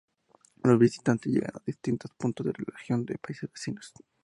Los visitantes llegan de distintos puntos de la región y de países vecinos.